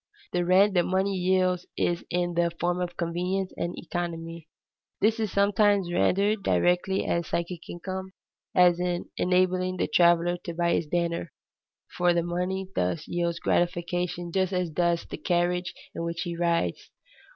_ The rent that money yields is in the form of convenience and economy. This is sometimes rendered directly as psychic income, as in enabling the traveler to buy his dinner, for the money thus yields gratification just as does the carriage in which he rides.